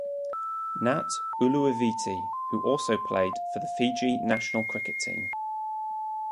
Nat Uluiviti, who also played for the Fiji national cricket team.